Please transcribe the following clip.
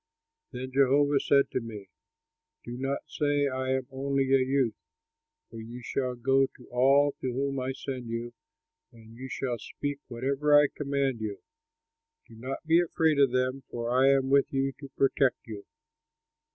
Then Jehovah said to me: "Do not say, 'I am only a youth,' for you shall go to all to whom I send you, and you shall speak whatever I command you. Do not be afraid of them, for I am with you to protect you."